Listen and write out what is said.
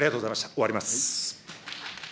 終わります。